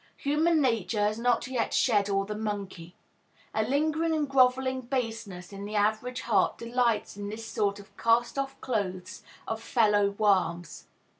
Human nature has not yet shed all the monkey. A lingering and grovelling baseness in the average heart delights in this sort of cast off clothes of fellow worms.